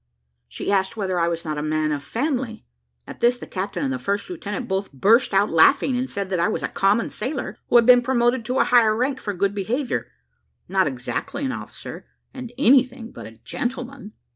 She asked whether I was not a man of family; at this the captain and first lieutenant both burst out laughing, and said that I was a common sailor who had been promoted to a higher rank for good behaviour not exactly an officer, and anything but a gentleman.